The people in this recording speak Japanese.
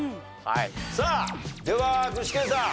さあでは具志堅さん。